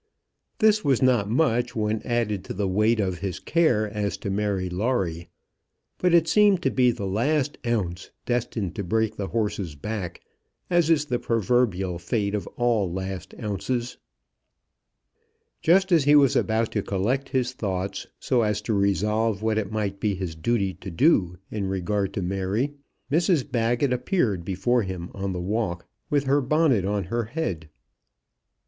This was not much when added to the weight of his care as to Mary Lawrie, but it seemed to be the last ounce destined to break the horse's back, as is the proverbial fate of all last ounces. Just as he was about to collect his thoughts, so as to resolve what it might be his duty to do in regard to Mary, Mrs Baggett appeared before him on the walk with her bonnet on her head.